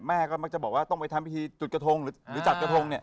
แม่ก็มักจะบอกว่าต้องไปทำพิธีจุดกระทงหรือจัดกระทงเนี่ย